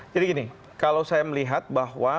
jadi gini kalau saya melihat bahwa